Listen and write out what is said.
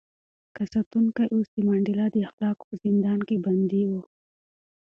هغه ساتونکی اوس د منډېلا د اخلاقو په زندان کې بندي و.